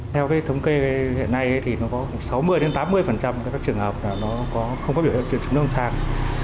theo cái thống kê hiện nay thì nó có sáu mươi tám mươi trường hợp là nó không có biểu hiện trường trứng nâng sàng